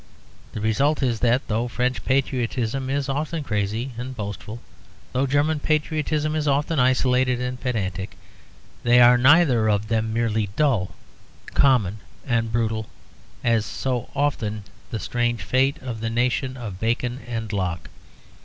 The result is that, though French patriotism is often crazy and boastful, though German patriotism is often isolated and pedantic, they are neither of them merely dull, common, and brutal, as is so often the strange fate of the nation of Bacon and Locke.